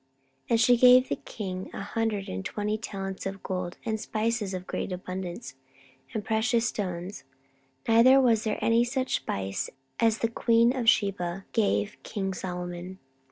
14:009:009 And she gave the king an hundred and twenty talents of gold, and of spices great abundance, and precious stones: neither was there any such spice as the queen of Sheba gave king Solomon.